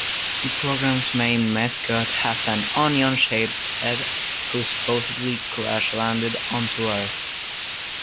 The programme's main mascot has an Onion-shaped head, who supposedly crash-landed onto Earth.